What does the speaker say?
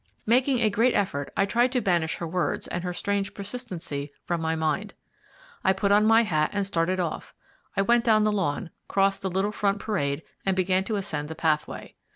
Making a great effort, I tried to banish her words and her strange persistency from my mind. I put on my hat and started off. I went down the lawn, crossed the little front parade, and began to ascend the pathway.